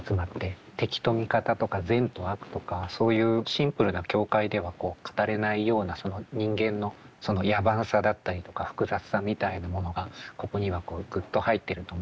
敵と味方とか善と悪とかそういうシンプルな境界では語れないようなその人間の野蛮さだったりとか複雑さみたいなものがここにはこうグッと入ってると思うんですが。